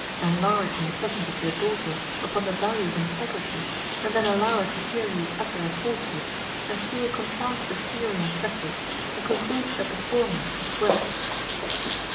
Enlarge, in the presence of your daughter, upon the value of integrity, and then allow her to hear you utter a falsehood, and she will contrast the theory and practice, and conclude that the former is worthless.